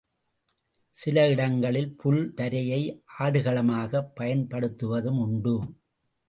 சில இடங்களில் புல் தரையை ஆடுகளமாகப் பயன்படுத்துவதும் உண்டு.